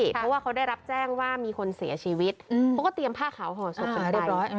เพราะว่าเขาได้รับแจ้งว่ามีคนเสียชีวิตเขาก็เตรียมผ้าขาวห่อศพกันไป